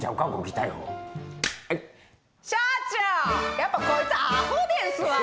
やっぱこいつアホですわ！